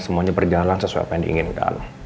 semuanya berjalan sesuai apa yang diinginkan